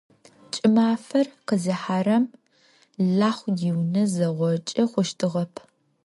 КӀымафэр къызихьэрэм Лахъу иунэ зэгъокӀы хъущтыгъэп.